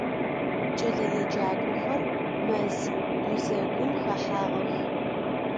КӀэлэеджакӀохэр мэз гузэгум хэхьагъэх.